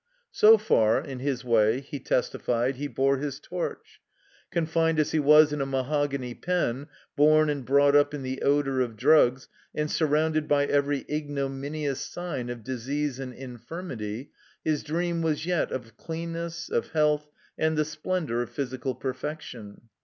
So far, in his way, he testified, he bore his torch. Confined as he was in a mahogany pen, bom and brought up in the odor of drugs, and surrounded by every ignominious sign of disease and infirmity, his dream was yet of cleanness, of health, and the splen dor of physical perfection.